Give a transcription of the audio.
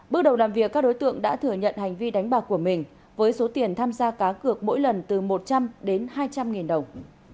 bước đầu làm việc các đối tượng đã thừa nhận hành vi đánh bạc của mình với số tiền tham gia cá cược mỗi lần từ một trăm linh đến hai trăm linh nghìn đồng